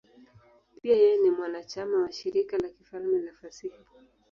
Pia yeye ni mwanachama wa Shirika la Kifalme la Fasihi.